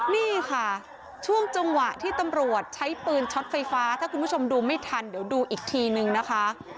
นี่ค่ะช่วงจังหวะที่ตำรวจใช้ปืนช็อตไฟฟ้าถ้าคุณผู้ชมดูไม่ทันเดี๋ยวดูอีกทีนึงนะคะ